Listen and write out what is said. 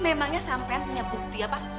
memangnya sampai ini bukti ya pak